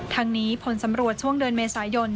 ทั้งนี้ผลสำรวจช่วงเดือนเมษายน